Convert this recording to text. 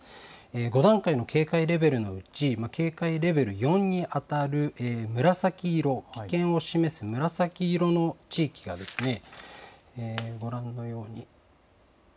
５段階の警戒レベルのうち、警戒レベル４に当たる紫色、危険を示す紫色の地域が、ご覧のように。